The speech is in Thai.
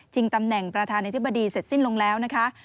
ตำแหน่งประธานาธิบดีเสร็จสิ้นลงแล้วนะคะ